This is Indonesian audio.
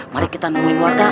mari kita menunggu warga